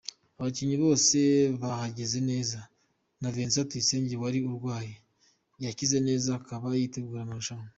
Abakinnyi bose bahagaze neza na Vincent Tuyisenge wari urwaye, yakize neza akaba yiteguye amarushanwa.